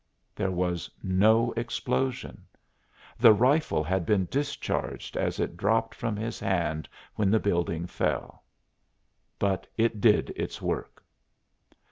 There was no explosion; the rifle had been discharged as it dropped from his hand when the building fell. But it did its work.